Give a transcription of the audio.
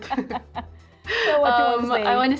apa yang kamu ingin katakan